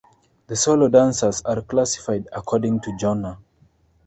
The solo dances are classified according to genre.